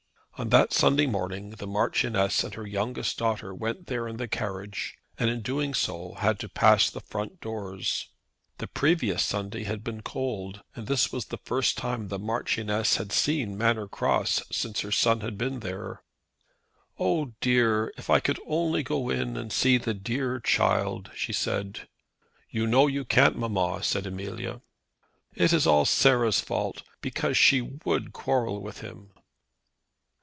On that Sunday morning the Marchioness and her youngest daughter went there in the carriage, and in doing so, had to pass the front doors. The previous Sunday had been cold, and this was the first time that the Marchioness had seen Manor Cross since her son had been there. "Oh, dear! if I could only go in and see the dear child," she said. "You know you can't, mamma," said Amelia. "It is all Sarah's fault, because she would quarrel with him."